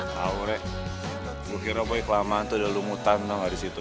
kau re gue kira lo kelamaan tuh udah lumutan dong disitu